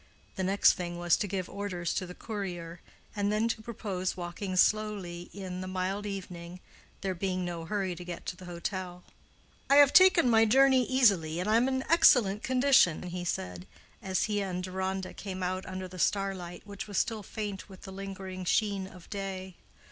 The next thing was to give orders to the courier, and then to propose walking slowly in the mild evening, there being no hurry to get to the hotel. "I have taken my journey easily, and am in excellent condition," he said, as he and Deronda came out under the starlight, which was still faint with the lingering sheen of day.